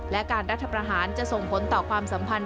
และการรัฐประหารจะส่งผลต่อความสัมพันธ